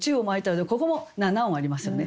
でもここも７音ありますよね。